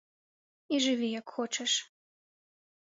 І жыві як хочаш.